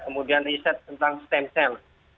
kemudian riset tentang stem cell